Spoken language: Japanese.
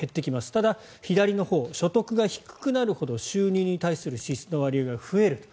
ただ、左のほう所得が低くなるほど収入に対する支出の割合が増えると。